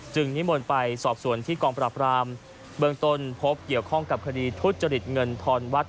นิมนต์ไปสอบส่วนที่กองปราบรามเบื้องต้นพบเกี่ยวข้องกับคดีทุจริตเงินทอนวัด